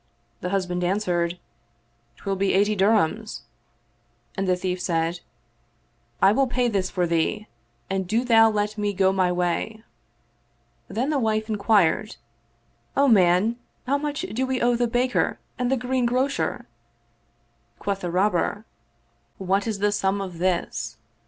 The husband answered, " 'Twill be eighty dirhams "; and the thief said, " I will pay this for thee and do thou let me go my way." Then the wife in quired, " O man, how much do we owe the baker and the greengrocer?" Quoth the Robber, "What is the sum of this